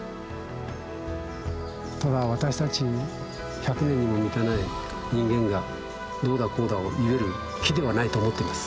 ただ私たち１００年にも満たない人間がどうだこうだを言える木ではないと思ってます。